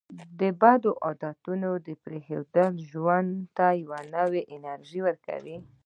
د بدو عادتونو پرېښودل ژوند ته نوې انرژي ورکوي.